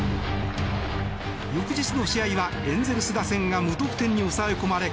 翌日の試合はエンゼルス打線が無得点に抑え込まれ